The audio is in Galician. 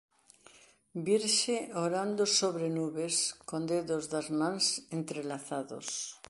Virxe orando sobre nubes con dedos das mans entrelazados.